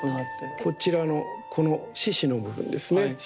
こちらのこの獅子の部分ですね。